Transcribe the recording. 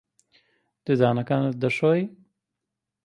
ددانەکانت دەشۆی؟